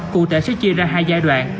cụ thể sẽ chia ra hai giai đoạn